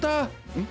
うん？